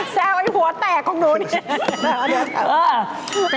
แซวไอ้หัวแตกของนู้น